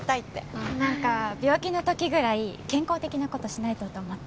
なんか病気の時ぐらい健康的な事しないとと思って。